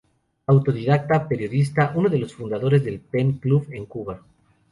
Autodidacta, periodista, uno de los fundadores del Pen Club en Cuba.